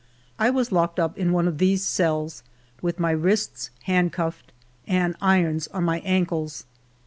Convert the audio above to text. I was locked up in one of these cells, with my wrists handcuffed and irons on my ankles.